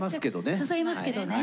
刺されますけどねえ。